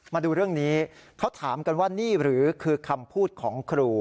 มาดูเรื่องนี้เขาถามกันว่านี่หรือคือคำพูดของครู